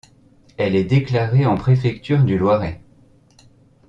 Elle est déclarée en préfecture du Loiret.